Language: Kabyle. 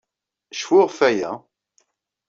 Cfu ɣef waya!